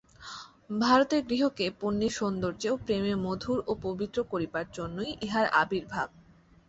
ভারতের গৃহকে পূণ্যে সৌন্দর্যে ও প্রেমে মধুর ও পবিত্র করিবার জন্যই ইঁহার আবির্ভাব।